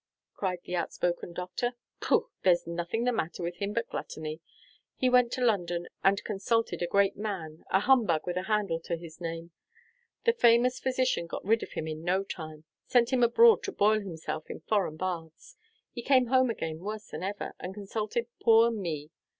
cried the outspoken doctor. "Pooh! there's nothing the matter with him but gluttony. He went to London, and consulted a great man, a humbug with a handle to his name. The famous physician got rid of him in no time sent him abroad to boil himself in foreign baths. He came home again worse than ever, and consulted poor Me.